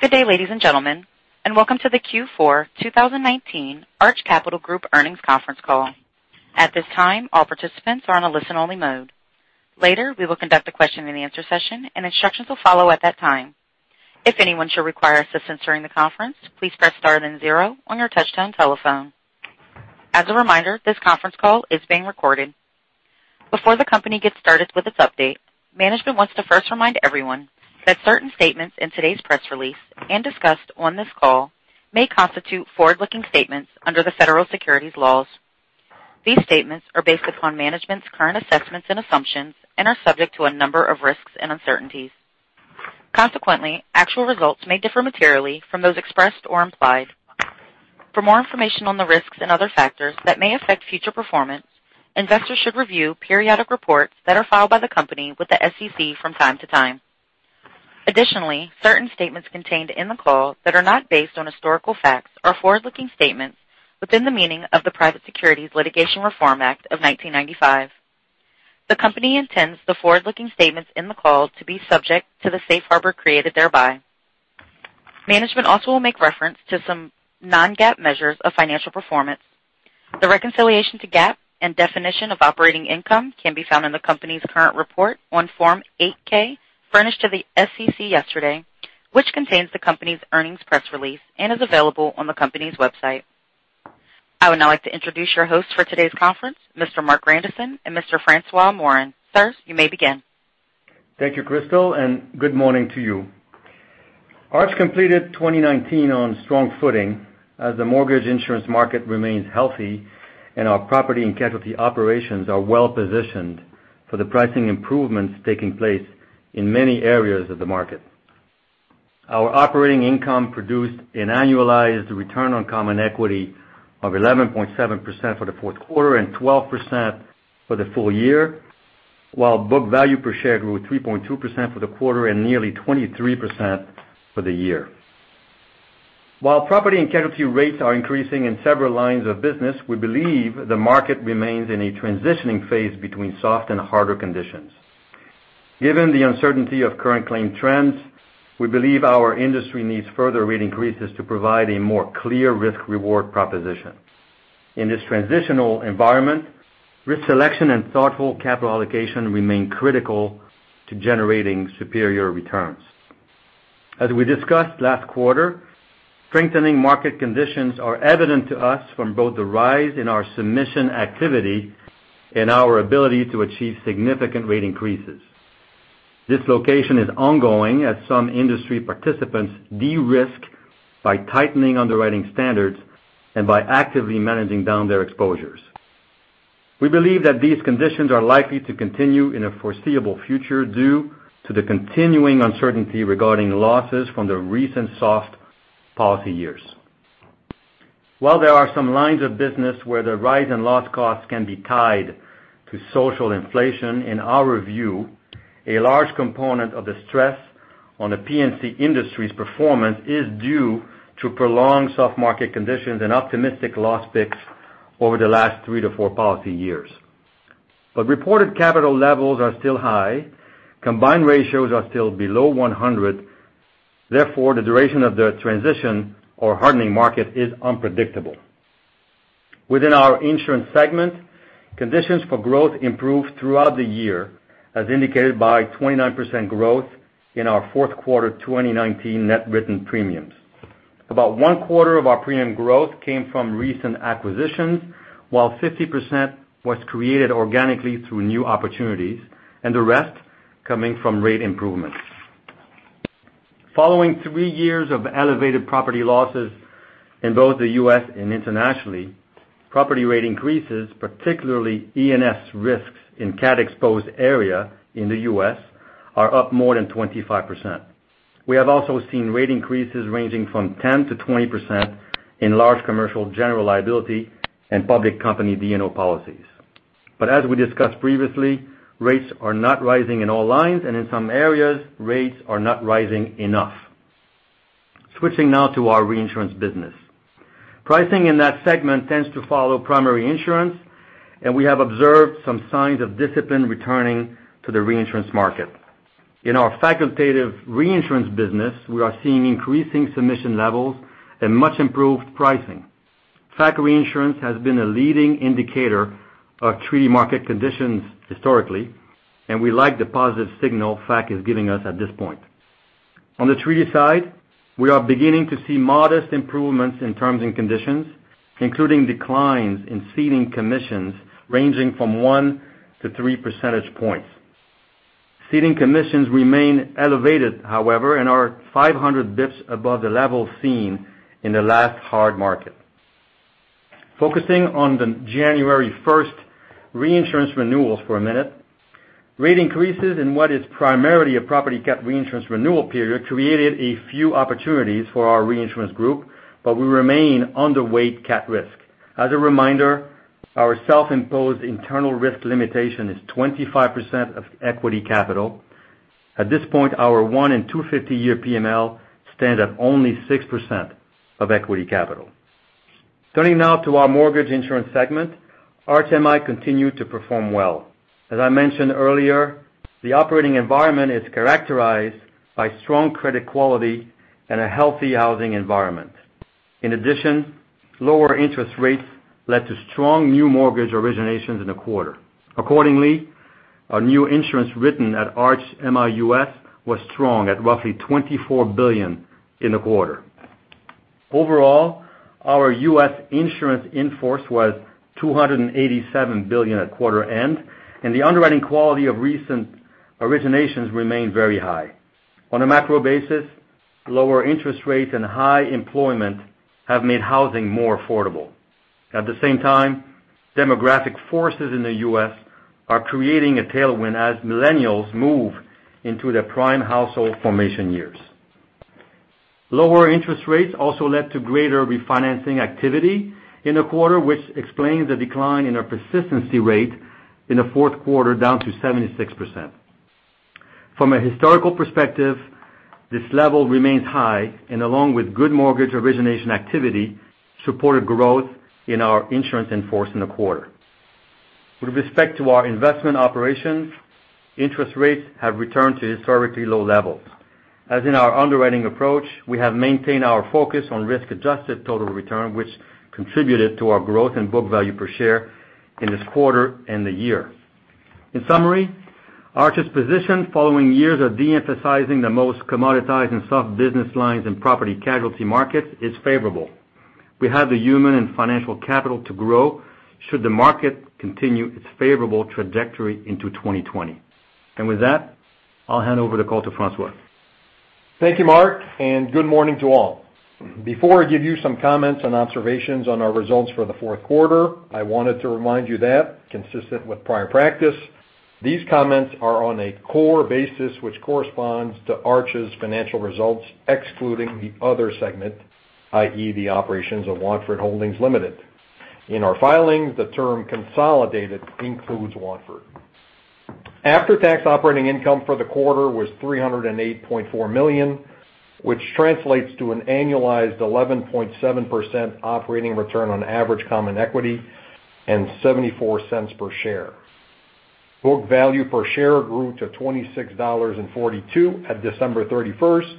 Good day, ladies and gentlemen, and welcome to the Q4 2019 Arch Capital Group earnings conference call. At this time, all participants are on a listen-only mode. Later, we will conduct a question-and-answer session, and instructions will follow at that time. If anyone should require assistance during the conference, please press star then zero on your touch-tone telephone. As a reminder, this conference call is being recorded. Before the company gets started with its update, management wants to first remind everyone that certain statements in today's press release, and discussed on this call, may constitute forward-looking statements under the federal securities laws. These statements are based upon management's current assessments and assumptions and are subject to a number of risks and uncertainties. Consequently, actual results may differ materially from those expressed or implied. For more information on the risks and other factors that may affect future performance, investors should review periodic reports that are filed by the company with the SEC from time to time. Additionally, certain statements contained in the call that are not based on historical facts are forward-looking statements within the meaning of the Private Securities Litigation Reform Act of 1995. The company intends the forward-looking statements in the call to be subject to the safe harbor created thereby. Management also will make reference to some non-GAAP measures of financial performance. The reconciliation to GAAP and definition of operating income can be found in the company's current report on Form 8-K, furnished to the SEC yesterday, which contains the company's earnings press release and is available on the company's website. I would now like to introduce your host for today's conference, Mr. Marc Grandisson and Mr. François Morin. Sirs, you may begin. Thank you, Crystal, and good morning to you. Arch completed 2019 on strong footing as the mortgage insurance market remains healthy and our property and casualty operations are well-positioned for the pricing improvements taking place in many areas of the market. Our operating income produced an annualized return on common equity of 11.7% for the fourth quarter and 12% for the full year, while book value per share grew 3.2% for the quarter and nearly 23% for the year. While property and casualty rates are increasing in several lines of business, we believe the market remains in a transitioning phase between soft and harder conditions. Given the uncertainty of current claim trends, we believe our industry needs further rate increases to provide a more clear risk-reward proposition. In this transitional environment, risk selection and thoughtful capital allocation remain critical to generating superior returns. As we discussed last quarter, strengthening market conditions are evident to us from both the rise in our submission activity and our ability to achieve significant rate increases. This evolution is ongoing as some industry participants de-risk by tightening underwriting standards and by actively managing down their exposures. We believe that these conditions are likely to continue in the foreseeable future due to the continuing uncertainty regarding losses from the recent soft policy years. While there are some lines of business where the rise in loss costs can be tied to social inflation, in our view, a large component of the stress on the P&C industry's performance is due to prolonged soft market conditions and optimistic loss picks over the last three to four policy years. Reported capital levels are still high, combined ratios are still below 100, therefore, the duration of the transition or hardening market is unpredictable. Within our insurance segment, conditions for growth improved throughout the year, as indicated by 29% growth in our fourth quarter 2019 net written premiums. About one-quarter of our premium growth came from recent acquisitions, while 50% was created organically through new opportunities, and the rest coming from rate improvements. Following three years of elevated property losses in both the U.S. and internationally, property rate increases, particularly E&S risks in cat-exposed areas in the U.S., are up more than 25%. We have also seen rate increases ranging from 10%-20% in large commercial general liability and public company D&O policies. As we discussed previously, rates are not rising in all lines, and in some areas, rates are not rising enough. Switching now to our reinsurance business. Pricing in that segment tends to follow primary insurance, and we have observed some signs of discipline returning to the reinsurance market. In our facultative reinsurance business, we are seeing increasing submission levels and much-improved pricing. FAC reinsurance has been a leading indicator of treaty market conditions historically, and we like the positive signal FAC is giving us at this point. On the treaty side, we are beginning to see modest improvements in terms and conditions, including declines in ceding commissions ranging from one to three percentage points. Ceding commissions remain elevated, however, and are 500 basis points above the level seen in the last hard market. Focusing on the January 1st reinsurance renewals for a minute. Rate increases in what is primarily a property cat reinsurance renewal period created a few opportunities for our reinsurance group, but we remain underweight cat risk. As a reminder, our self-imposed internal risk limitation is 25% of equity capital. At this point, our one and 250-year PML stands at only 6% of equity capital. Turning now to our mortgage insurance segment, Arch MI continued to perform well. As I mentioned earlier, the operating environment is characterized by strong credit quality and a healthy housing environment. In addition, lower interest rates led to strong new mortgage originations in the quarter. Accordingly, our new insurance written at Arch MI U.S. was strong at roughly $24 billion in the quarter. Overall, our U.S. insurance in force was $287 billion at quarter end, and the underwriting quality of recent originations remained very high. On a macro basis, lower interest rates and high employment have made housing more affordable. At the same time, demographic forces in the U.S. are creating a tailwind as millennials move into their prime household formation years. Lower interest rates also led to greater refinancing activity in the quarter, which explains the decline in our persistency rate in the fourth quarter down to 76%. From a historical perspective, this level remains high, and along with good mortgage origination activity, supported growth in our insurance in force in the quarter. With respect to our investment operations, interest rates have returned to historically low levels. As in our underwriting approach, we have maintained our focus on risk-adjusted total return, which contributed to our growth in book value per share in this quarter and the year. In summary, Arch's position following years of de-emphasizing the most commoditized and soft business lines and property casualty markets is favorable. We have the human and financial capital to grow should the market continue its favorable trajectory into 2020. With that, I'll hand over the call to François. Thank you, Marc. Good morning to all. Before I give you some comments and observations on our results for the fourth quarter, I wanted to remind you that consistent with prior practice, these comments are on a core basis which corresponds to Arch's financial results excluding the other segment, i.e., the operations of Watford Holdings Limited. In our filings, the term consolidated includes Watford. After-tax operating income for the quarter was $308.4 million, which translates to an annualized 11.7% operating return on average common equity and $0.74 per share. Book value per share grew to $26.42 at December 31st,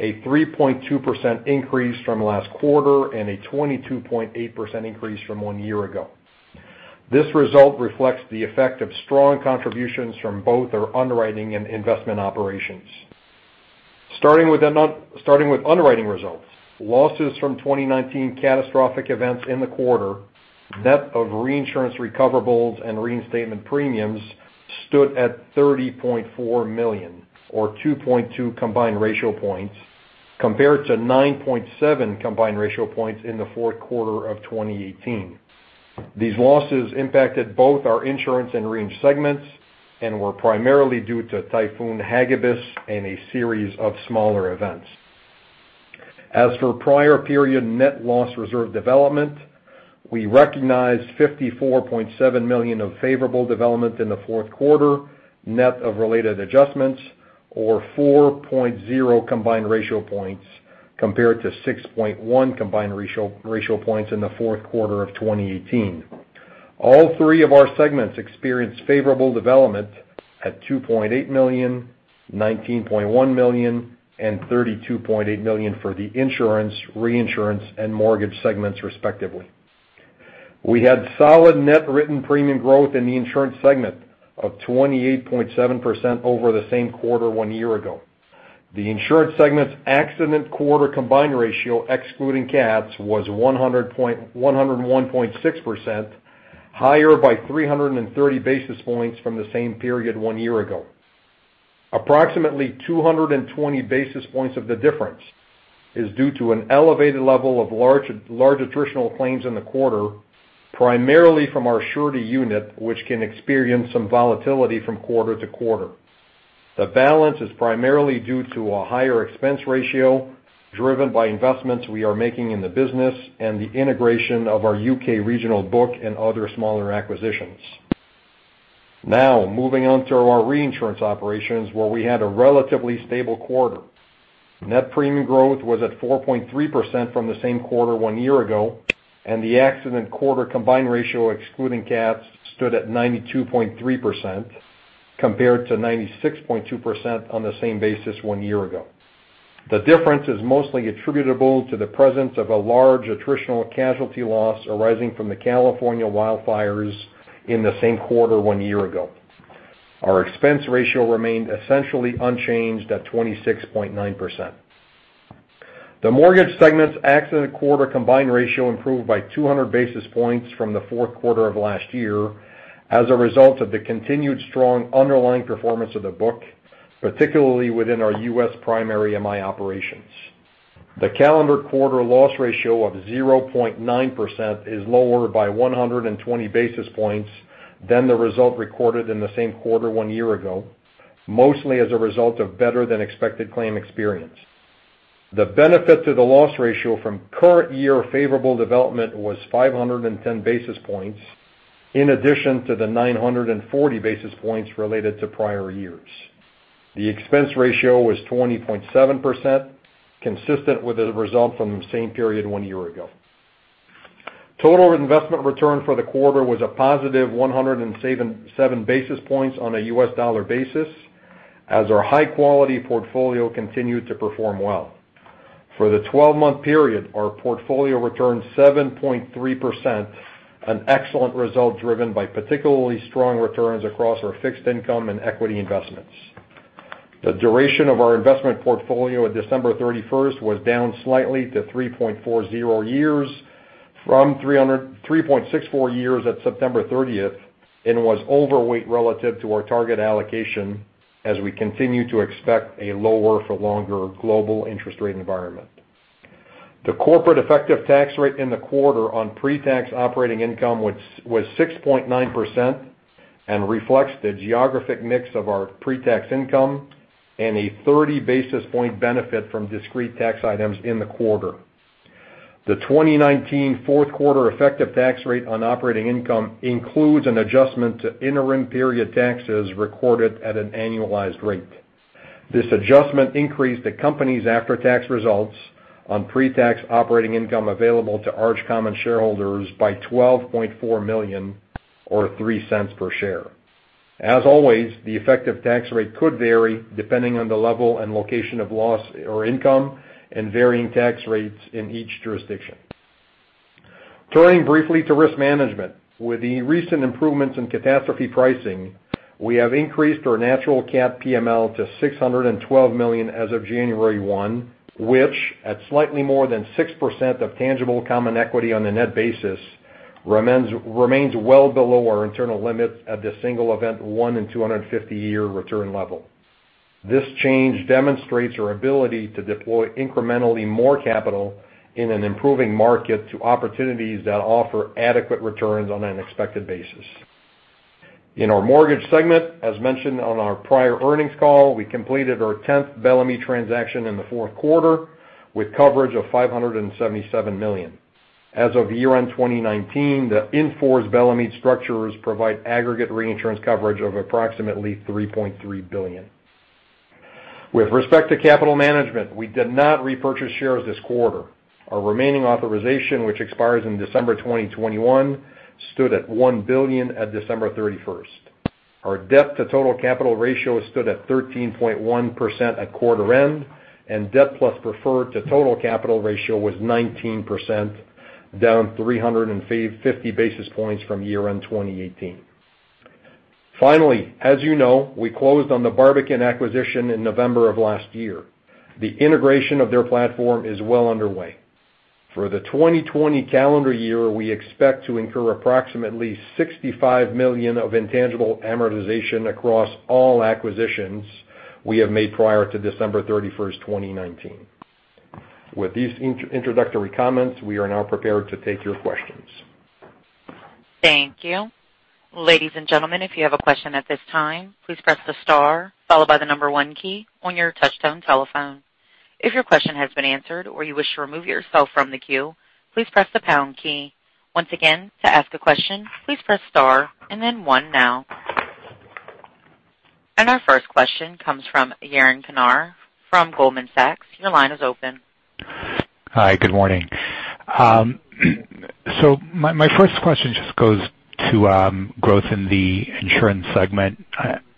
a 3.2% increase from last quarter and a 22.8% increase from one year ago. This result reflects the effect of strong contributions from both our underwriting and investment operations. Starting with underwriting results, losses from 2019 catastrophic events in the quarter, net of reinsurance recoverables and reinstatement premiums stood at $30.4 million or 2.2 combined ratio points compared to 9.7 combined ratio points in the fourth quarter of 2018. These losses impacted both our insurance and reinsurance segments and were primarily due to Typhoon Hagibis and a series of smaller events. For prior period net loss reserve development, we recognized $54.7 million of favorable development in the fourth quarter, net of related adjustments, or 4.0 combined ratio points compared to 6.1 combined ratio points in the fourth quarter of 2018. All three of our segments experienced favorable development at $2.8 million, $19.1 million, and $32.8 million for the insurance, reinsurance, and mortgage segments, respectively. We had solid net written premium growth in the insurance segment of 28.7% over the same quarter one year ago. The insurance segment's accident quarter combined ratio, excluding cats, was 101.6%, higher by 330 basis points from the same period one year ago. Approximately 220 basis points of the difference is due to an elevated level of large attritional claims in the quarter, primarily from our surety unit, which can experience some volatility from quarter to quarter. The balance is primarily due to a higher expense ratio driven by investments we are making in the business and the integration of our U.K. regional book and other smaller acquisitions. Moving on to our reinsurance operations, where we had a relatively stable quarter. Net premium growth was at 4.3% from the same quarter one year ago, and the accident quarter combined ratio, excluding cats, stood at 92.3% compared to 96.2% on the same basis one year ago. The difference is mostly attributable to the presence of a large attritional casualty loss arising from the California wildfires in the same quarter one year ago. Our expense ratio remained essentially unchanged at 26.9%. The mortgage segment's accident quarter combined ratio improved by 200 basis points from the fourth quarter of last year as a result of the continued strong underlying performance of the book, particularly within our U.S. primary MI operations. The calendar quarter loss ratio of 0.9% is lower by 120 basis points than the result recorded in the same quarter one year ago, mostly as a result of better-than-expected claim experience. The benefit to the loss ratio from current year favorable development was 510 basis points in addition to the 940 basis points related to prior years. The expense ratio was 20.7%, consistent with the result from the same period one year ago. Total investment return for the quarter was a positive 107 basis points on a U.S. dollar basis, as our high-quality portfolio continued to perform well. For the 12-month period, our portfolio returned 7.3%, an excellent result driven by particularly strong returns across our fixed income and equity investments. The duration of our investment portfolio at December 31st was down slightly to 3.40 years from 3.64 years at September 30th, and was overweight relative to our target allocation as we continue to expect a lower for longer global interest rate environment. The corporate effective tax rate in the quarter on pre-tax operating income was 6.9% and reflects the geographic mix of our pre-tax income and a 30 basis point benefit from discrete tax items in the quarter. The 2019 fourth quarter effective tax rate on operating income includes an adjustment to interim period taxes recorded at an annualized rate. This adjustment increased the company's after-tax results on pre-tax operating income available to Arch common shareholders by $12.4 million or $0.03 per share. As always, the effective tax rate could vary depending on the level and location of loss or income and varying tax rates in each jurisdiction. Turning briefly to risk management. With the recent improvements in catastrophe pricing, we have increased our natural cap PML to $612 million as of January 1, which at slightly more than 6% of tangible common equity on a net basis, remains well below our internal limits at the single event one in 250 year return level. This change demonstrates our ability to deploy incrementally more capital in an improving market to opportunities that offer adequate returns on an expected basis. In our mortgage segment, as mentioned on our prior earnings call, we completed our tenth Bellemeade transaction in the fourth quarter with coverage of $577 million. As of year-end 2019, the in-force Bellemeade structures provide aggregate reinsurance coverage of approximately $3.3 billion. With respect to capital management, we did not repurchase shares this quarter. Our remaining authorization, which expires in December 2021, stood at $1 billion on December 31st. Our debt to total capital ratio stood at 13.1% at quarter end, and debt plus preferred to total capital ratio was 19%, down 350 basis points from year-end 2018. Finally, as you know, we closed on the Barbican acquisition in November of last year. The integration of their platform is well underway. For the 2020 calendar year, we expect to incur approximately $65 million of intangible amortization across all acquisitions we have made prior to December 31st, 2019. With these introductory comments, we are now prepared to take your questions. Thank you. Ladies and gentlemen, if you have a question at this time, please press the star followed by the number 1 key on your touchtone telephone. If your question has been answered or you wish to remove yourself from the queue, please press the pound key. Once again, to ask a question, please press star and then 1 now. Our first question comes from Yaron Kinar from Goldman Sachs. Your line is open. Hi, good morning. My first question just goes to growth in the insurance segment.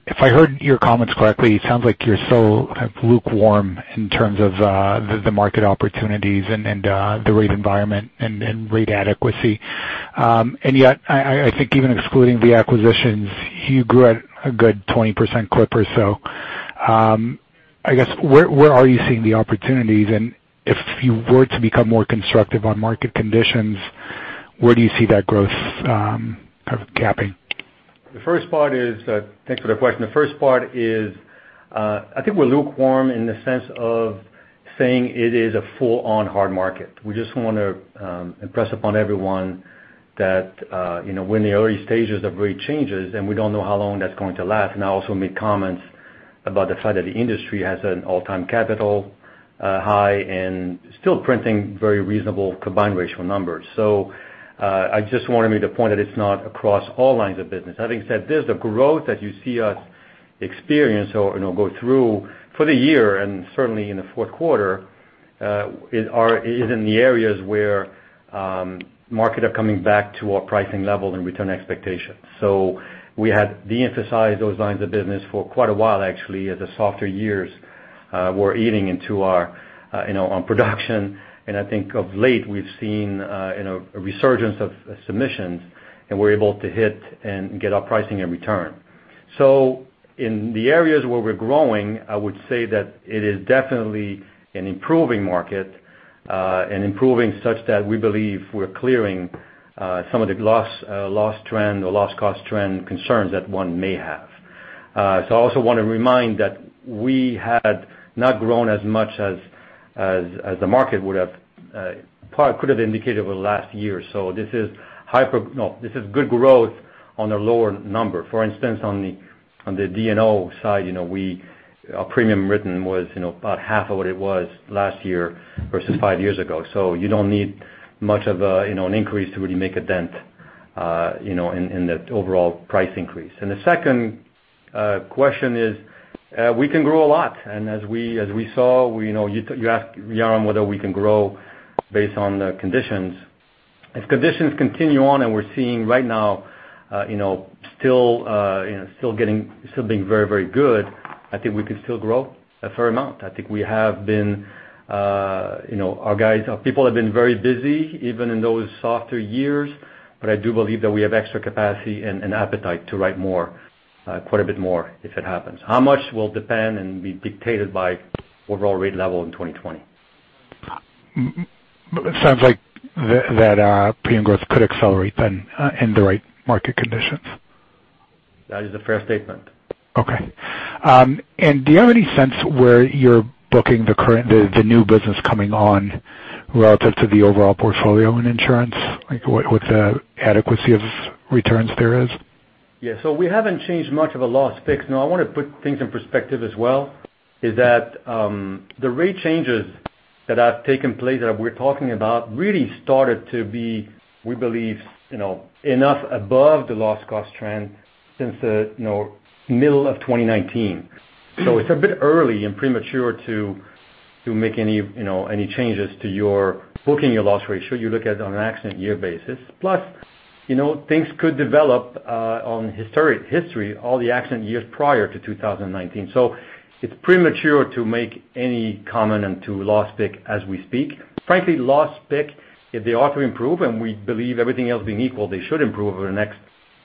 If I heard your comments correctly, it sounds like you're so kind of lukewarm in terms of the market opportunities and the rate environment and rate adequacy. Yet, I think even excluding the acquisitions, you grew at a good 20% clip or so. I guess, where are you seeing the opportunities? If you were to become more constructive on market conditions, where do you see that growth kind of capping? Thanks for the question. The first part is, I think we're lukewarm in the sense of saying it is a full-on hard market. We just want to impress upon everyone that we're in the early stages of rate changes, we don't know how long that's going to last. I also made comments about the fact that the industry has an all-time capital high and still printing very reasonable combined ratio numbers. I just wanted to make the point that it's not across all lines of business. Having said this, the growth that you see us experience or go through for the year and certainly in the fourth quarter, is in the areas where markets are coming back to our pricing level and return expectations. We had de-emphasized those lines of business for quite a while, actually, as the softer years were eating into our production. I think of late, we've seen a resurgence of submissions, and we're able to hit and get our pricing and return. In the areas where we're growing, I would say that it is definitely an improving market, and improving such that we believe we're clearing some of the loss trend or loss cost trend concerns that one may have. I also want to remind that we had not grown as much as the market could have indicated over the last year. This is good growth on a lower number. For instance, on the D&O side, our premium written was about half of what it was last year versus five years ago. You don't need much of an increase to really make a dent. In the overall price increase. The second question is, we can grow a lot. As we saw, you asked Yaron whether we can grow based on the conditions. If conditions continue on, and we're seeing right now still being very good, I think we can still grow a fair amount. I think our people have been very busy, even in those softer years, but I do believe that we have extra capacity and appetite to write quite a bit more if it happens. How much will depend and be dictated by overall rate level in 2020. It sounds like that premium growth could accelerate then in the right market conditions. That is a fair statement. Okay. Do you have any sense where you're booking the new business coming on relative to the overall portfolio in insurance? Like what the adequacy of returns there is? Yeah. We haven't changed much of a loss pick. I want to put things in perspective as well, is that the rate changes that have taken place, that we're talking about, really started to be, we believe, enough above the loss cost trend since the middle of 2019. It's a bit early and premature to make any changes to your booking your loss ratio. You look at it on an accident year basis. Things could develop on history, all the accident years prior to 2019. It's premature to make any comment into loss pick as we speak. Frankly, loss pick, if they are to improve, and we believe everything else being equal, they should improve over the next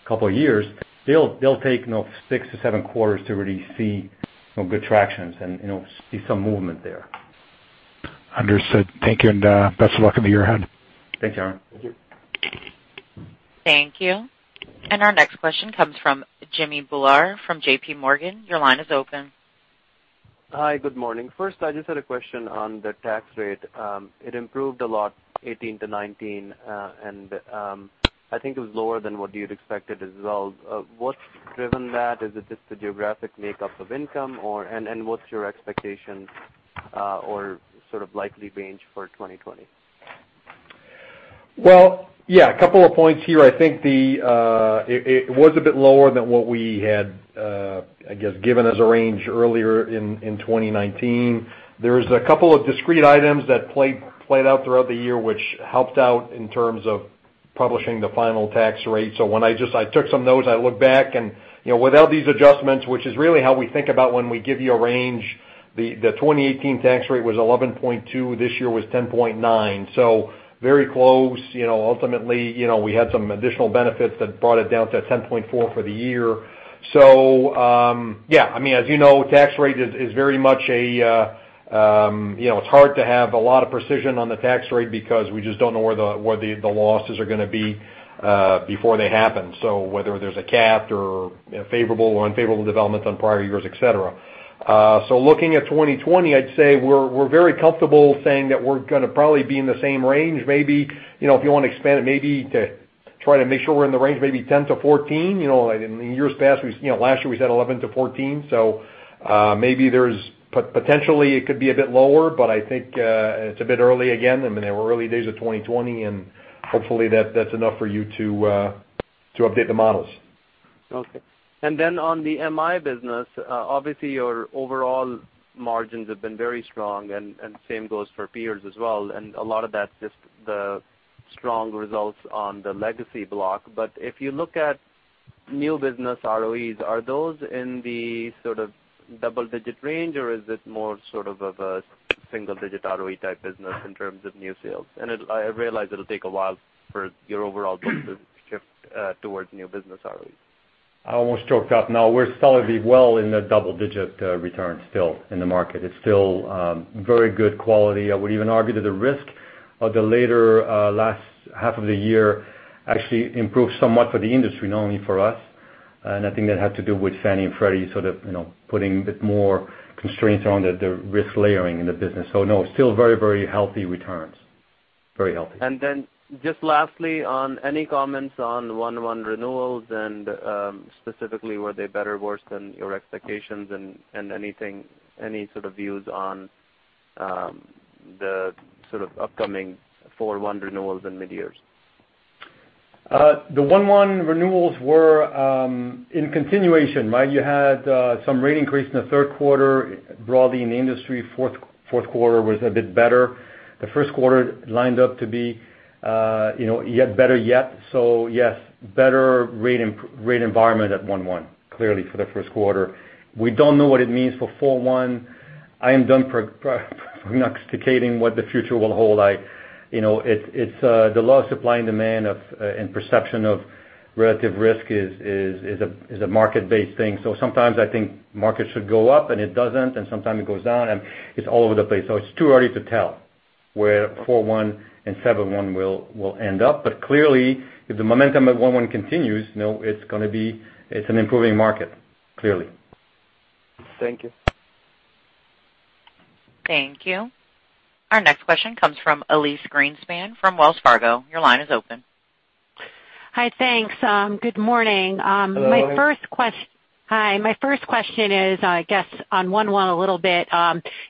couple of years. They'll take six to seven quarters to really see some good tractions and see some movement there. Understood. Thank you, and best of luck in the year ahead. Thanks, Yaron. Thank you. Our next question comes from Jamminder Bhullar from J.P. Morgan. Your line is open. Hi, good morning. I just had a question on the tax rate. It improved a lot 2018 to 2019, I think it was lower than what you'd expected as well. What's driven that? Is it just the geographic makeup of income, what's your expectation or likely range for 2020? Yeah, a couple of points here. I think it was a bit lower than what we had given as a range earlier in 2019. There's a couple of discrete items that played out throughout the year, which helped out in terms of publishing the final tax rate. I took some notes, I looked back and, without these adjustments, which is really how we think about when we give you a range, the 2018 tax rate was 11.2%, this year was 10.9%. Very close. Ultimately, we had some additional benefits that brought it down to 10.4% for the year. As you know, it's hard to have a lot of precision on the tax rate because we just don't know where the losses are going to be before they happen. Whether there's a CAT or favorable or unfavorable developments on prior years, et cetera. Looking at 2020, I'd say we're very comfortable saying that we're going to probably be in the same range. If you want to expand it, maybe to try to make sure we're in the range, maybe 10%-14%. In years past, last year we said 11%-14%. Maybe potentially it could be a bit lower, but I think it's a bit early again. I mean, we're early days of 2020, hopefully that's enough for you to update the models. Okay. On the MI business, obviously your overall margins have been very strong and same goes for peers as well, and a lot of that's just the strong results on the legacy block. If you look at new business ROEs, are those in the double-digit range, or is it more of a single-digit ROE type business in terms of new sales? I realize it'll take a while for your overall book to shift towards new business ROEs. I almost choked up. No, we're solidly well in the double-digit returns still in the market. It's still very good quality. I would even argue that the risk of the later last half of the year actually improved somewhat for the industry, not only for us. I think that had to do with Fannie and Freddie sort of putting a bit more constraints around the risk layering in the business. No, still very healthy returns. Very healthy. Just lastly, any comments on 1/1 renewals, and specifically, were they better or worse than your expectations, and any sort of views on the upcoming 4/1 renewals and mid-years? The 1/1 renewals were in continuation. You had some rate increase in the third quarter broadly in the industry. Fourth quarter was a bit better. The first quarter lined up to be yet better yet. Yes, better rate environment at 1/1, clearly for the first quarter. We don't know what it means for 4/1. I am done prognosticating what the future will hold. The law of supply and demand and perception of relative risk is a market-based thing. Sometimes I think markets should go up and it doesn't, and sometimes it goes down and it's all over the place. It's too early to tell where 4/1 and 7/1 will end up. Clearly, if the momentum at 1/1 continues, it's an improving market. Clearly. Thank you. Thank you. Our next question comes from Elyse Greenspan from Wells Fargo. Your line is open. Hi, thanks. Good morning. Hello. Hi. My first question is, I guess on one-one a little bit.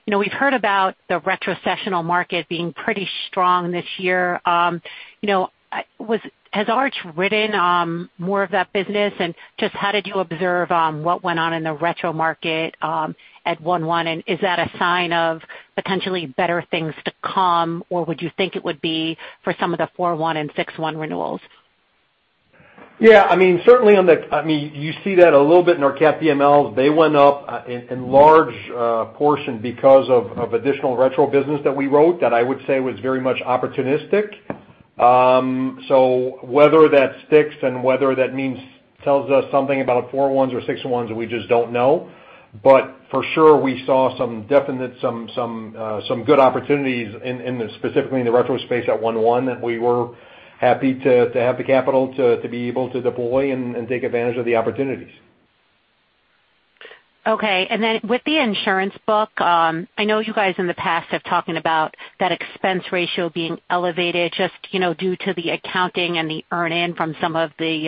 We've heard about the retrocessional market being pretty strong this year. Has Arch written more of that business? Just how did you observe what went on in the retro market at one-one, and is that a sign of potentially better things to come, or would you think it would be for some of the four-one and six-one renewals? You see that a little bit in our cat PMLs. They went up in large portion because of additional retro business that we wrote that I would say was very much opportunistic. Whether that sticks and whether that tells us something about four-ones or six-ones, we just don't know. For sure, we saw some definite good opportunities specifically in the retro space at one-one. We were happy to have the capital to be able to deploy and take advantage of the opportunities. With the insurance book, I know you guys in the past have talking about that expense ratio being elevated, just due to the accounting and the earn in from some of the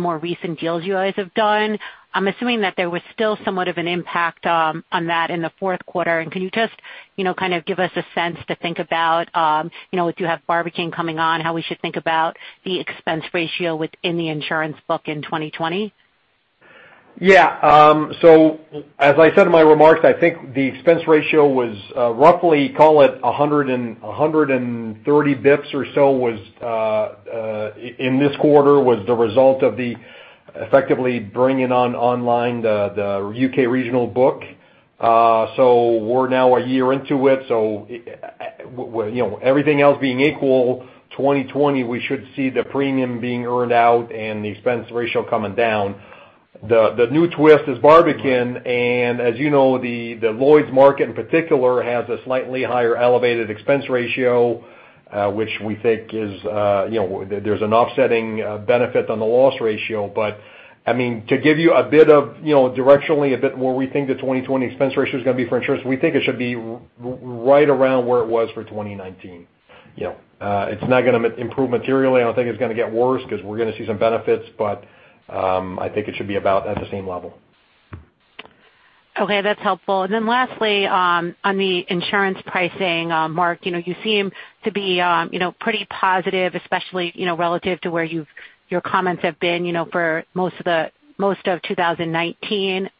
more recent deals you guys have done. I'm assuming that there was still somewhat of an impact on that in the fourth quarter. Can you just kind of give us a sense to think about, if you have Barbican coming on, how we should think about the expense ratio within the insurance book in 2020? As I said in my remarks, I think the expense ratio was roughly, call it 130 basis points or so in this quarter, was the result of the effectively bringing online the U.K. regional book. We're now a year into it, so everything else being equal, 2020, we should see the premium being earned out and the expense ratio coming down. The new twist is Barbican, and as you know, the Lloyd's market in particular has a slightly higher elevated expense ratio, which we think there's an offsetting benefit on the loss ratio. To give you directionally a bit more we think the 2020 expense ratio is going to be for insurance, we think it should be right around where it was for 2019. It's not going to improve materially. I don't think it's going to get worse because we're going to see some benefits, but I think it should be about at the same level. Lastly, on the insurance pricing, Marc, you seem to be pretty positive, especially relative to where your comments have been for most of 2019.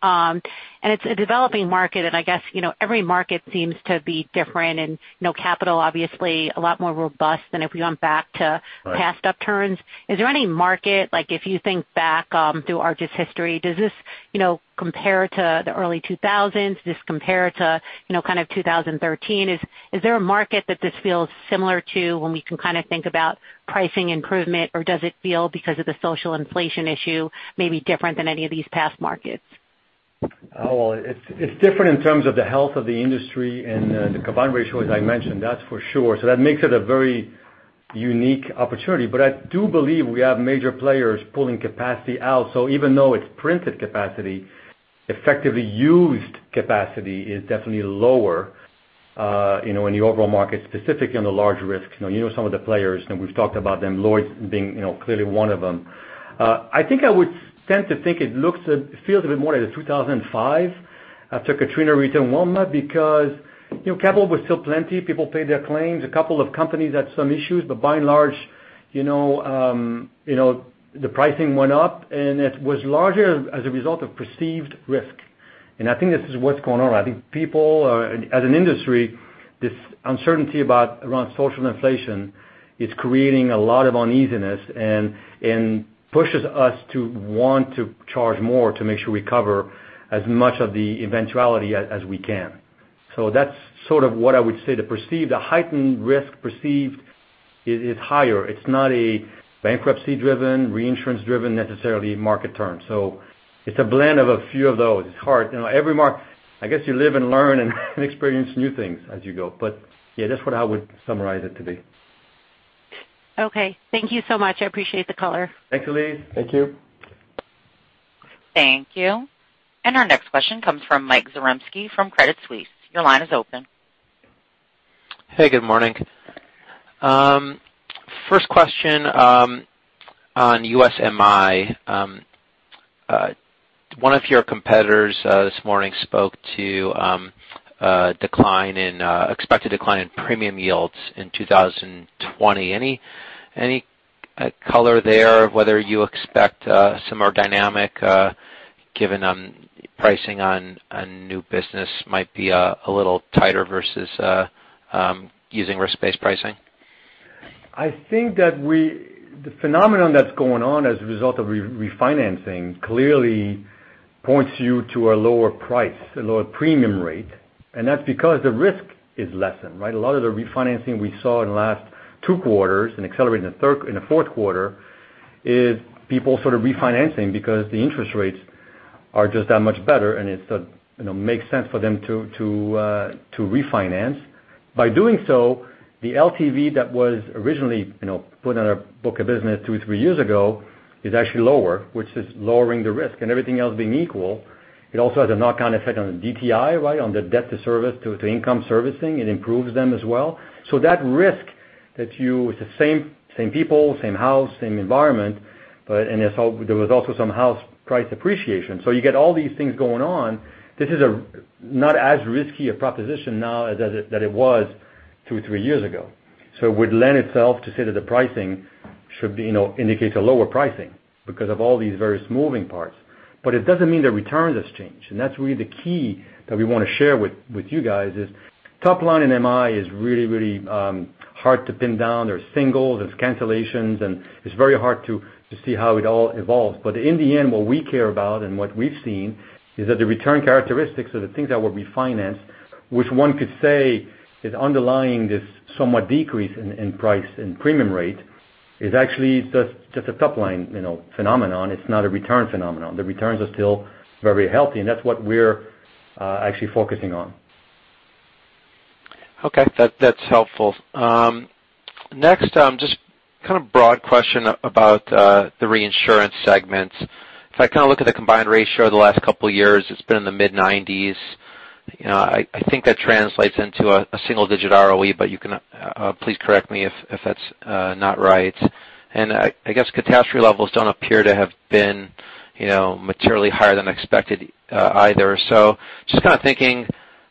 It's a developing market, I guess every market seems to be different and capital, obviously, a lot more robust than if we went back to past upturns. Right. Is there any market, like if you think back through Arch's history, does this compare to the early 2000s? Does this compare to kind of 2013? Is there a market that this feels similar to when we can kind of think about pricing improvement, or does it feel because of the social inflation issue, maybe different than any of these past markets? It's different in terms of the health of the industry and the combined ratio, as I mentioned, that's for sure. That makes it a very unique opportunity. I do believe we have major players pulling capacity out. Even though it's printed capacity, effectively used capacity is definitely lower in the overall market, specifically on the large risks. You know some of the players, and we've talked about them, Lloyd's being clearly one of them. I think I would tend to think it feels a bit more like a 2005 after Katrina, Rita, and Wilma because capital was still plenty. People paid their claims. A couple of companies had some issues, but by and large the pricing went up, and it was larger as a result of perceived risk. I think this is what's going on. I think people, as an industry, this uncertainty around social inflation is creating a lot of uneasiness and pushes us to want to charge more to make sure we cover as much of the eventuality as we can. That's sort of what I would say the perceived, the heightened risk perceived is higher. It's not a bankruptcy driven, reinsurance driven, necessarily market turn. It's a blend of a few of those. It's hard. I guess you live and learn and experience new things as you go. Yeah, that's what I would summarize it to be. Okay. Thank you so much. I appreciate the color. Thanks, Elyse. Thank you. Thank you. Our next question comes from Michael Zaremski from Credit Suisse. Your line is open. Hey, good morning. First question on USMI. One of your competitors this morning spoke to expected decline in premium yields in 2020. Any color there, whether you expect a similar dynamic, given pricing on new business might be a little tighter versus using risk-based pricing? I think that the phenomenon that's going on as a result of refinancing clearly points you to a lower price, a lower premium rate, and that's because the risk is lessened, right? A lot of the refinancing we saw in the last 2 quarters and accelerated in the 4th quarter is people sort of refinancing because the interest rates are just that much better, and it makes sense for them to refinance. By doing so, the LTV that was originally put on our book of business 2, 3 years ago is actually lower, which is lowering the risk. Everything else being equal, it also has a knock-on effect on the DTI, right, on the debt to income servicing. It improves them as well. That risk It's the same people, same house, same environment, but there was also some house price appreciation. You get all these things going on. This is not as risky a proposition now as it was 2, 3 years ago. It would lend itself to say that the pricing should indicate a lower pricing because of all these various moving parts. It doesn't mean the returns have changed, and that's really the key that we want to share with you guys, is top line in MI is really, really hard to pin down. There's singles, there's cancellations, and it's very hard to see how it all evolves. In the end, what we care about and what we've seen is that the return characteristics of the things that we financed, which one could say is underlying this somewhat decrease in price and premium rate, is actually just a top-line phenomenon. It's not a return phenomenon. The returns are still very healthy, and that's what we're actually focusing on. Okay. That's helpful. Next, just kind of broad question about the reinsurance segment. If I kind of look at the combined ratio the last couple of years, it's been in the mid-90s. I think that translates into a single-digit ROE, but you can please correct me if that's not right. I guess catastrophe levels don't appear to have been materially higher than expected either. Just kind of thinking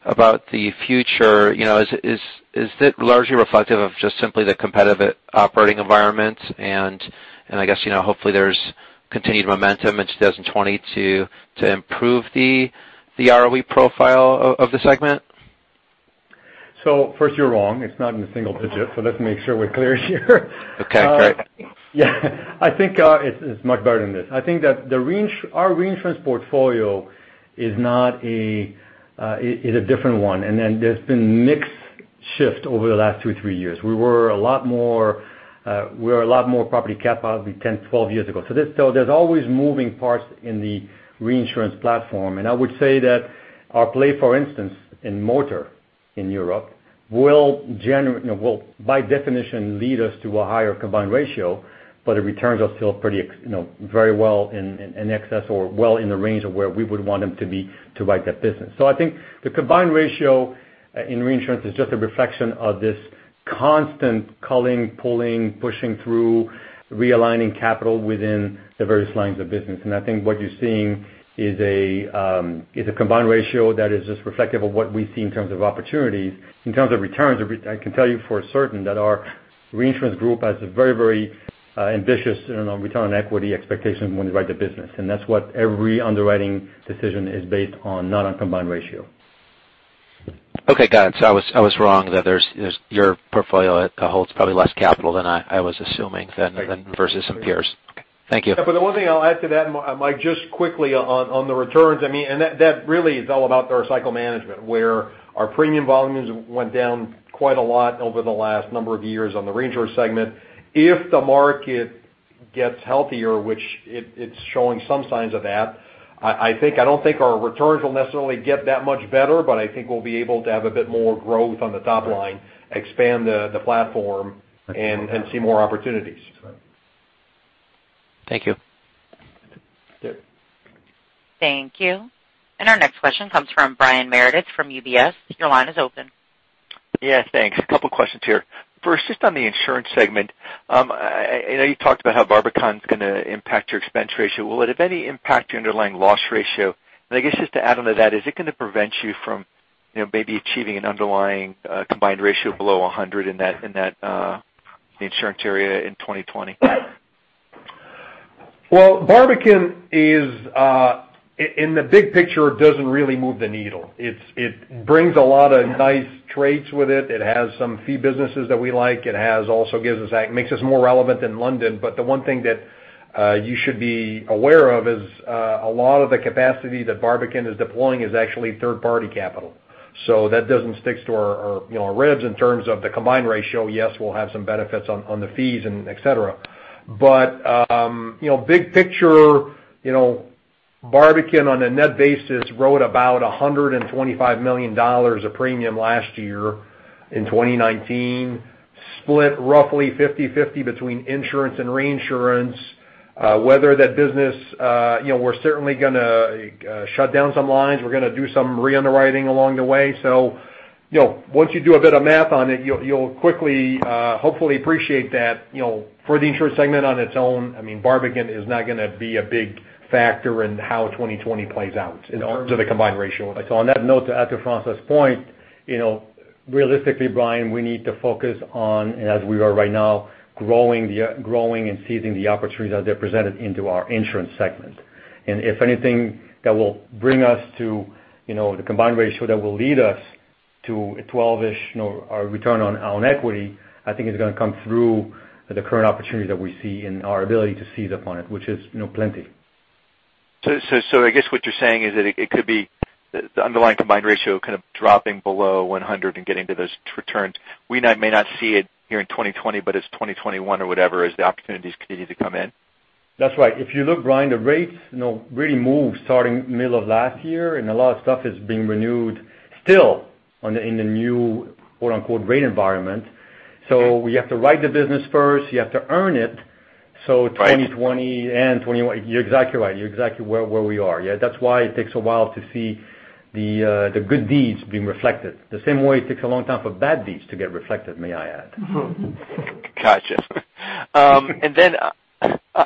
about the future, is it largely reflective of just simply the competitive operating environment? I guess, hopefully, there's continued momentum in 2020 to improve the ROE profile of the segment. first, you're wrong. It's not in the single digit, let's make sure we're clear here. Okay, great. I think it's much better than this. I think that our reinsurance portfolio is a different one, there's been mix shift over the last two, three years. We were a lot more property cat probably 10, 12 years ago. There's always moving parts in the reinsurance platform, I would say that our play, for instance, in motor in Europe will, by definition, lead us to a higher combined ratio, the returns are still very well in excess or well in the range of where we would want them to be to write that business. I think the combined ratio in reinsurance is just a reflection of this constant culling, pulling, pushing through, realigning capital within the various lines of business. I think what you're seeing is a combined ratio that is just reflective of what we see in terms of opportunities. In terms of returns, I can tell you for certain that our reinsurance group has a very, very ambitious return on equity expectation when we write the business, that's what every underwriting decision is based on, not on combined ratio. Okay, got it. I was wrong. That your portfolio holds probably less capital than I was assuming then versus some peers. Okay. Thank you. Yeah, the one thing I'll add to that, Mike, just quickly on the returns, I mean, that really is all about our cycle management, where our premium volumes went down quite a lot over the last number of years on the reinsurance segment. If the market gets healthier, which it's showing some signs of that, I don't think our returns will necessarily get that much better, but I think we'll be able to have a bit more growth on the top line, expand the platform, and see more opportunities. Thank you. David. Thank you. Our next question comes from Brian Meredith from UBS. Your line is open. Yeah, thanks. A couple of questions here. First, just on the insurance segment. I know you talked about how Barbican's going to impact your expense ratio. Will it have any impact to underlying loss ratio? I guess just to add on to that, is it going to prevent you from maybe achieving an underlying combined ratio below 100 in that insurance area in 2020? Well, Barbican, in the big picture, doesn't really move the needle. It brings a lot of nice traits with it. It has some fee businesses that we like. It also makes us more relevant in London. The one thing that you should be aware of is a lot of the capacity that Barbican is deploying is actually third-party capital. That doesn't stick to our ribs in terms of the combined ratio. Yes, we'll have some benefits on the fees and et cetera. Big picture, Barbican, on a net basis, wrote about $125 million of premium last year in 2019, split roughly 50/50 between insurance and reinsurance. We're certainly going to shut down some lines. We're going to do some re-underwriting along the way. Once you do a bit of math on it, you'll quickly, hopefully appreciate that for the insurance segment on its own, I mean, Barbican is not going to be a big factor in how 2020 plays out in terms of the combined ratio. On that note, to add to François' point, realistically, Brian, we need to focus on, as we are right now, growing and seizing the opportunities as they're presented into our insurance segment. If anything, that will bring us to the combined ratio, that will lead us to a 12-ish return on our own equity, I think is going to come through the current opportunity that we see and our ability to seize upon it, which is plenty. I guess what you're saying is that it could be the underlying combined ratio kind of dropping below 100 and getting to those returns. We may not see it here in 2020, but it's 2021 or whatever as the opportunities continue to come in. That's right. If you look, Brian, the rates really moved starting middle of last year, a lot of stuff is being renewed still in the new "rate environment." You have to write the business first. You have to earn it. 2020 and 2021, you're exactly right. You're exactly where we are. That's why it takes a while to see the good deeds being reflected. The same way it takes a long time for bad deeds to get reflected, may I add. Got you.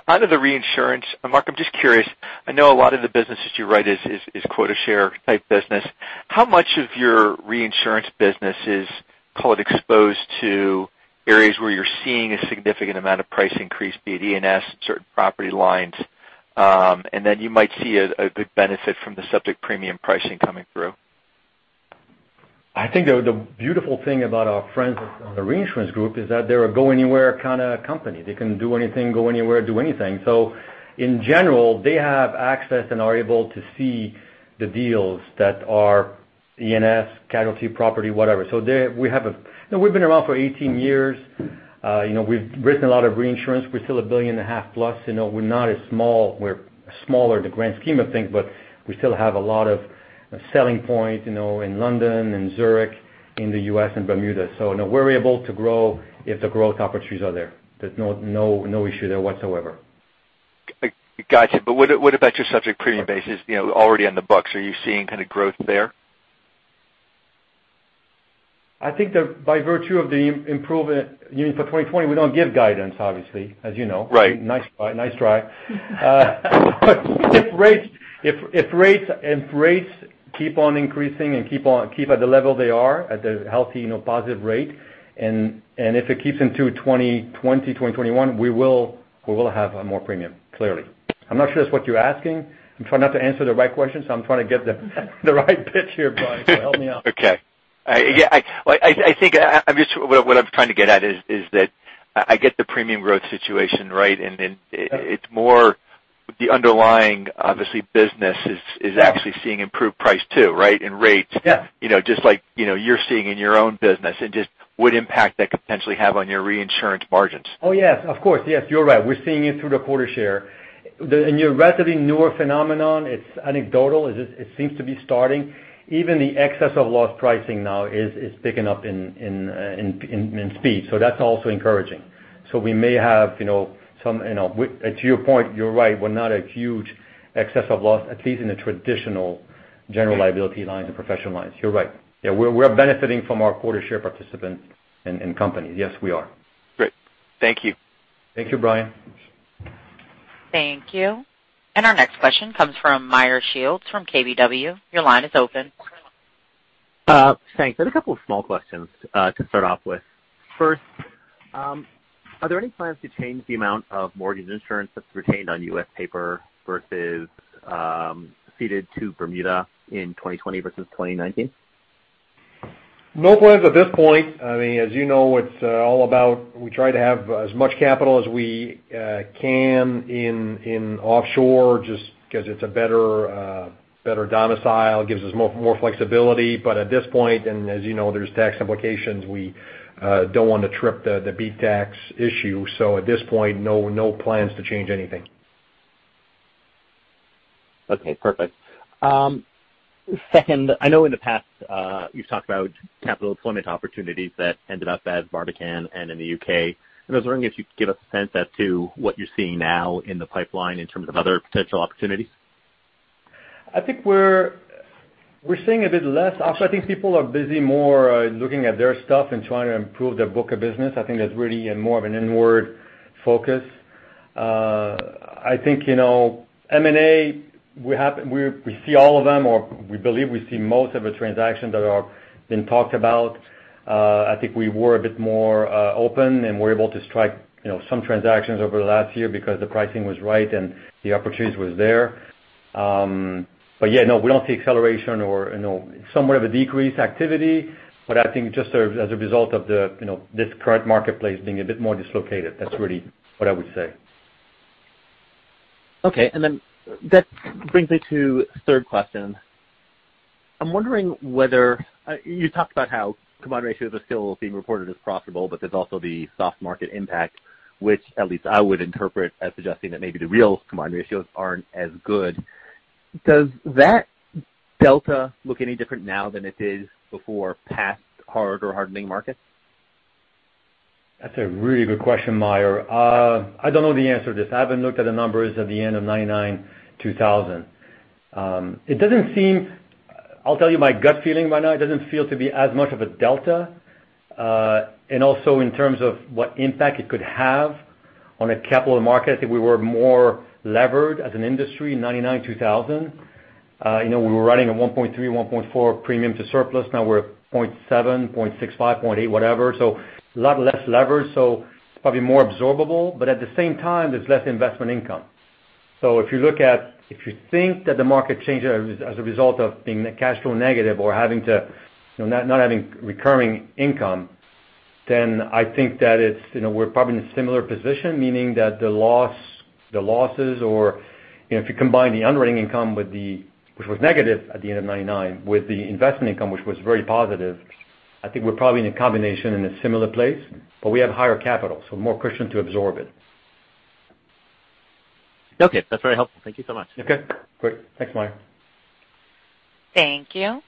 Out of the reinsurance, Marc, I'm just curious, I know a lot of the business that you write is quota share type business. How much of your reinsurance business is, call it, exposed to areas where you're seeing a significant amount of price increase, be it E&S, certain property lines, then you might see a big benefit from the subject premium pricing coming through? I think the beautiful thing about our friends on the reinsurance group is that they're a go-anywhere kind of company. They can do anything, go anywhere, do anything. In general, they have access and are able to see the deals that are E&S, casualty, property, whatever. We've been around for 18 years. We've written a lot of reinsurance. We're still a billion and a half plus. We're not as small. We're smaller in the grand scheme of things, but we still have a lot of selling point, in London, in Zurich, in the U.S., and Bermuda. No, we're able to grow if the growth opportunities are there. There's no issue there whatsoever. Got you. What about your subject premium bases already on the books? Are you seeing kind of growth there? I think that by virtue of the improvement, for 2020, we don't give guidance, obviously, as you know. Right. Nice try. If rates keep on increasing and keep at the level they are at the healthy positive rate, and if it keeps into 2020, 2021, we will have more premium, clearly. I'm not sure it's what you're asking. I'm trying not to answer the right question, so I'm trying to get the right pitch here, Brian, so help me out. Okay. What I'm trying to get at is that I get the premium growth situation, right? Then it's more the underlying, obviously business is actually seeing improved price too, right? And rates? Yeah. Just like you're seeing in your own business and just what impact that could potentially have on your reinsurance margins. Oh, yes. Of course. Yes, you're right. We're seeing it through the quota share. A relatively newer phenomenon, it's anecdotal. It seems to be starting. Even the excess of loss pricing now is picking up in speed. That's also encouraging. We may have some, and to your point, you're right, we're not a huge excess of loss, at least in the traditional general liability lines and professional lines. You're right. Yeah, we're benefiting from our quota share participants and companies. Yes, we are. Great. Thank you. Thank you, Brian. Thank you. Our next question comes from Meyer Shields from KBW. Your line is open. Thanks. I have a couple of small questions to start off with. First, are there any plans to change the amount of mortgage insurance that's retained on U.S. paper versus ceded to Bermuda in 2020 versus 2019? No plans at this point. As you know, it's all about we try to have as much capital as we can in offshore, just because it's a better domicile, gives us more flexibility. At this point, as you know, there's tax implications, we don't want to trip the BEAT issue. At this point, no plans to change anything. Okay, perfect. Second, I know in the past, you've talked about capital deployment opportunities that ended up at Barbican and in the U.K. I was wondering if you could give us a sense as to what you're seeing now in the pipeline in terms of other potential opportunities. I think we're seeing a bit less. I think people are busy more looking at their stuff and trying to improve their book of business. I think that's really more of an inward focus. I think M&A, we see all of them, or we believe we see most of the transactions that are being talked about. I think we were a bit more open, and we're able to strike some transactions over the last year because the pricing was right and the opportunities was there. We don't see acceleration or somewhat of a decreased activity, I think just as a result of this current marketplace being a bit more dislocated. That's really what I would say. That brings me to third question. I'm wondering whether, you talked about how combined ratios are still being reported as profitable, there's also the soft market impact, which at least I would interpret as suggesting that maybe the real combined ratios aren't as good. Does that delta look any different now than it did before past hard or hardening markets? That's a really good question, Meyer. I don't know the answer to this. I haven't looked at the numbers at the end of 1999, 2000. I'll tell you my gut feeling right now, it doesn't feel to be as much of a delta. In terms of what impact it could have on a capital market, I think we were more levered as an industry in 1999, 2000. We were running a 1.3, 1.4 premium to surplus. Now we're at 0.7, 0.65, 0.8, whatever. A lot less lever, it's probably more absorbable, at the same time, there's less investment income. If you think that the market changed as a result of being cash flow negative or not having recurring income, I think that we're probably in a similar position, meaning that the losses or if you combine the underwriting income, which was negative at the end of 1999, with the investment income, which was very positive, I think we're probably in a combination in a similar place, we have higher capital, more cushion to absorb it. Okay. That's very helpful. Thank you so much. Okay, great. Thanks, Meyer. Thank you.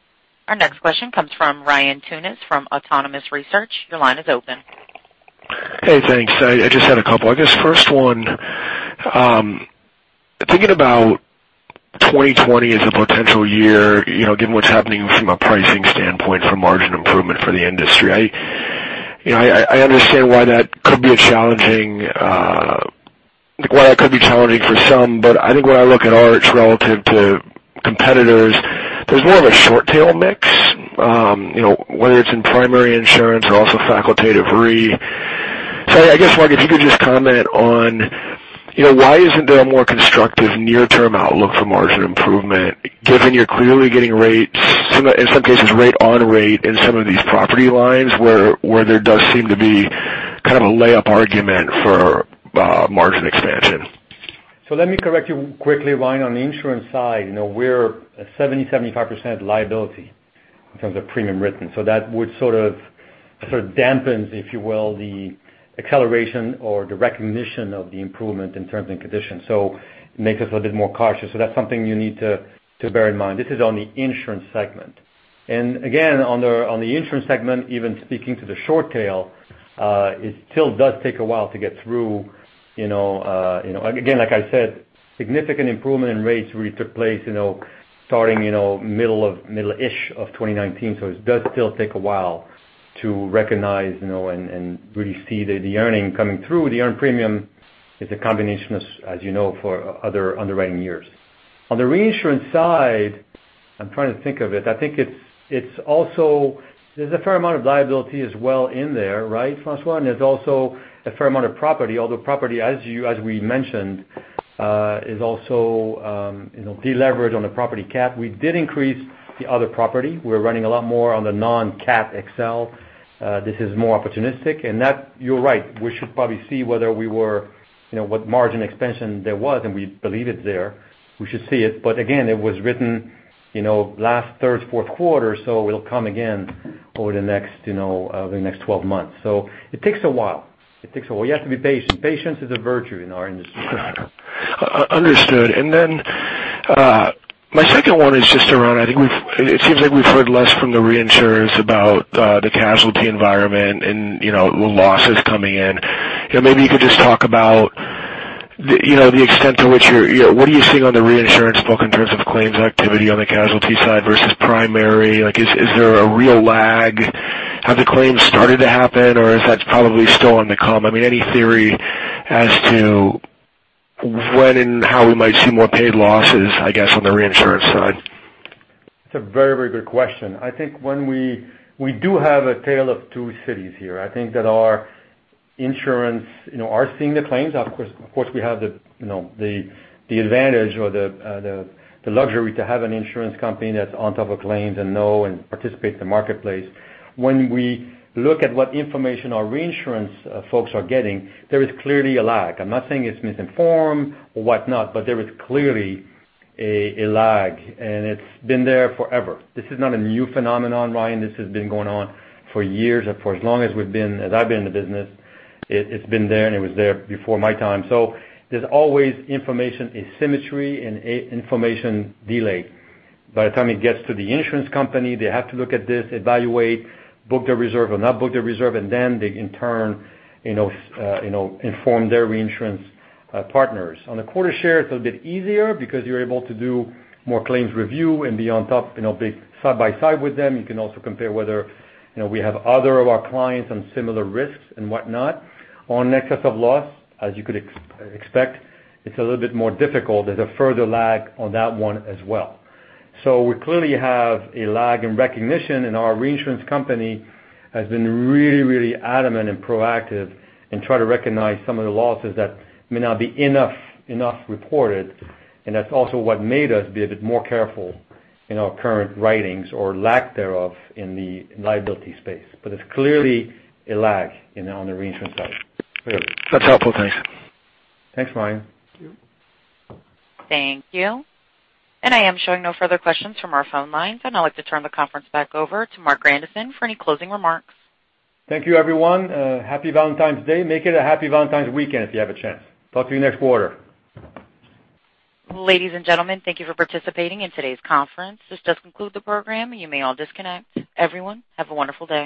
Our next question comes from Ryan Tunis from Autonomous Research. Your line is open. Hey, thanks. I just had a couple. I guess first one, thinking about 2020 as a potential year, given what's happening from a pricing standpoint for margin improvement for the industry, I understand why that could be challenging for some, but I think when I look at Arch relative to competitors, there's more of a short-tail mix, whether it's in primary insurance or also facultative re. I guess, Marc, if you could just comment on why isn't there a more constructive near-term outlook for margin improvement, given you're clearly getting rates, in some cases, rate on rate in some of these property lines, where there does seem to be kind of a layup argument for margin expansion. Let me correct you quickly, Ryan. On the insurance side, we're 70%-75% liability in terms of premium written. That would sort of dampens, if you will, the acceleration or the recognition of the improvement in terms and conditions. It makes us a bit more cautious. That's something you need to bear in mind. This is on the insurance segment. And again, on the insurance segment, even speaking to the short tail, it still does take a while to get through. Again, like I said, significant improvement in rates really took place starting middle-ish of 2019. It does still take a while to recognize and really see the earning coming through. The earned premium is a combination, as you know, for other underwriting years. On the reinsurance side, I'm trying to think of it. I think there's a fair amount of liability as well in there, right, François? There's also a fair amount of property, although property, as we mentioned, is also de-leveraged on the property cat. We did increase the other property. We're running a lot more on the non-cat XL. That you're right. We should probably see what margin expansion there was, and we believe it's there. We should see it. Again, it was written last third, fourth quarter, so it'll come again over the next 12 months. It takes a while. You have to be patient. Patience is a virtue in our industry. Understood. Then my second one is just around, it seems like we've heard less from the reinsurers about the casualty environment and losses coming in. Maybe you could just talk about the extent to which what are you seeing on the reinsurance book in terms of claims activity on the casualty side versus primary? Is there a real lag? Have the claims started to happen, or is that probably still on the come? I mean, any theory as to when and how we might see more paid losses, I guess, on the reinsurance side? It's a very good question. I think we do have a tale of two cities here. I think that our insurance are seeing the claims. Of course, we have the advantage or the luxury to have an insurance company that's on top of claims and know and participate in the marketplace. When we look at what information our reinsurance folks are getting, there is clearly a lag. I'm not saying it's misinformed or whatnot, but there is clearly a lag, and it's been there forever. This is not a new phenomenon, Ryan. This has been going on for years, and for as long as I've been in the business, it's been there, and it was there before my time. There's always information asymmetry and information delay. By the time it gets to the insurance company, they have to look at this, evaluate, book the reserve or not book the reserve, and then they in turn inform their reinsurance partners. On the quarter share, it's a little bit easier because you're able to do more claims review and be on top, be side by side with them. You can also compare whether we have other of our clients on similar risks and whatnot. On excess of loss, as you could expect, it's a little bit more difficult. There's a further lag on that one as well. We clearly have a lag in recognition, and our reinsurance company has been really adamant and proactive in trying to recognize some of the losses that may not be enough reported, and that's also what made us be a bit more careful in our current writings or lack thereof in the liability space. It's clearly a lag on the reinsurance side. Clearly. That's helpful. Thanks. Thanks, Ryan. Thank you. Thank you. I am showing no further questions from our phone lines, and I'd like to turn the conference back over to Marc Grandisson for any closing remarks. Thank you, everyone. Happy Valentine's Day. Make it a happy Valentine's weekend if you have a chance. Talk to you next quarter. Ladies and gentlemen, thank you for participating in today's conference. This does conclude the program. You may all disconnect. Everyone, have a wonderful day.